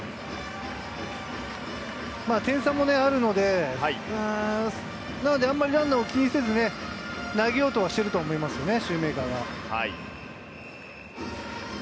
点差もあるので、あんまりランナーを気にせず、投げようとしてると思いますね、シューメーカーが。